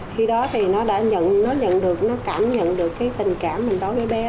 khi đó thì nó đã nhận được nó cảm nhận được cái tình cảm mình đối với bé